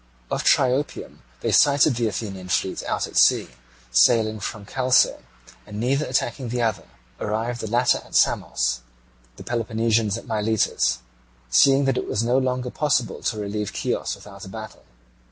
Off Triopium they sighted the Athenian fleet out at sea sailing from Chalce, and, neither attacking the other, arrived, the latter at Samos, the Peloponnesians at Miletus, seeing that it was no longer possible to relieve Chios without a battle.